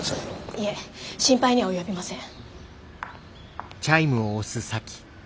いえ心配には及びません。